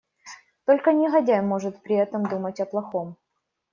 Только негодяй может при этом думать о плохом.